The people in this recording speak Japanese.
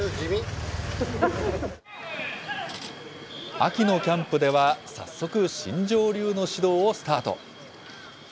秋のキャンプでは、早速、新庄流の指導をスタート。